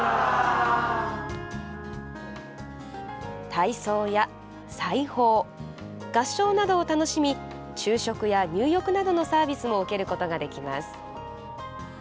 体操や裁縫、合唱などを楽しみ昼食や入浴などのサービスも受けることができます。